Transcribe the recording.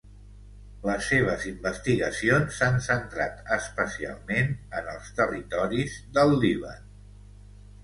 Les seves investigacions s'han centrat especialment en els territoris del Líban.